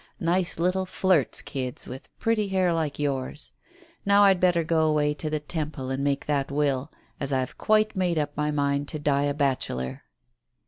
Nice little flirt's kids, with pretty hair like yours. Now, I'd better go away to the Temple and make that will, as I've quite made up my mind to die a bachelor."